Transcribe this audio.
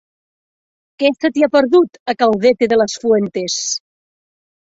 Què se t'hi ha perdut, a Caudete de las Fuentes?